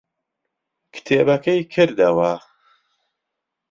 کتێبەکەی کردەوە.